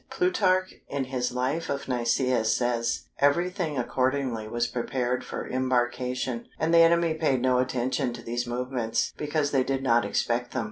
Plutarch, in his Life of Nicias, says:—"Everything accordingly was prepared for embarkation, and the enemy paid no attention to these movements, because they did not expect them.